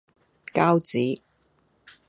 膠紙